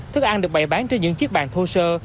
thức ăn được bày bán trên những chiếc bàn thô sơ